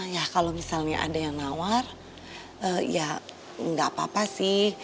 ya kalau misalnya ada yang nawar ya nggak apa apa sih